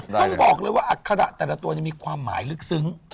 ต้องบอกเลยว่าอัคระแต่ละตัวมีความหมายลึกซึ้ง